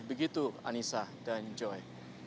begitu anissa dan joy